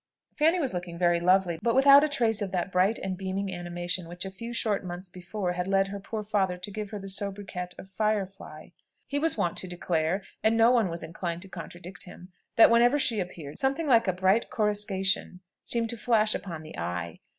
Fanny was looking very lovely, but without a trace of that bright and beaming animation which a few short months before had led her poor father to give her the sobriquet of "Firefly." He was wont to declare, and no one was inclined to contradict him, that whenever she appeared, something like a bright coruscation seemed to flash upon the eye.